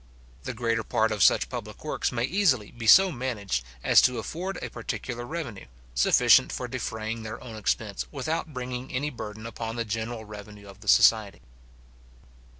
The greater part of such public works may easily be so managed, as to afford a particular revenue, sufficient for defraying their own expense without bringing any burden upon the general revenue of the society.